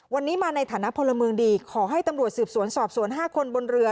วันนี้มาในฐานะพลเมืองดีขอให้ตำรวจสืบสวนสอบสวน๕คนบนเรือ